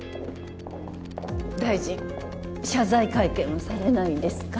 大臣謝罪会見はされないんですか？